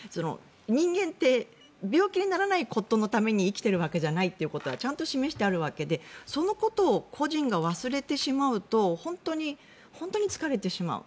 人間って病気にならないことのために生きてるわけじゃないということはちゃんと示してあるわけでそのことを個人が忘れてしまうと本当に疲れてしまう。